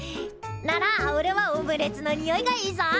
ならおれはオムレツのにおいがいいぞ。